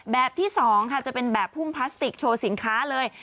แบบที่๒ค่ะจะเป็นแบบพุ่มพลาสติกโชว์สินค้าเลย